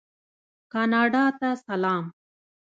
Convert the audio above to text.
کاناډا ته سلام.